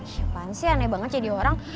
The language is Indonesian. chefpan sih aneh banget jadi orang